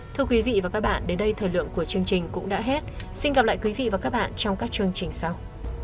thưa quý vị và các bạn đến đây thời lượng của chương trình cũng đã hết xin gặp lại quý vị và các bạn trong các chương trình sau